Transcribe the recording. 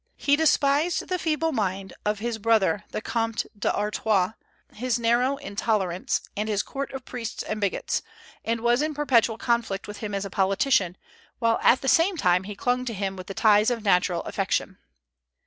He despised the feeble mind of his brother, the Comte d'Artois, his narrow intolerance, and his court of priests and bigots, and was in perpetual conflict with him as a politician, while at the same time he clung to him with the ties of natural affection.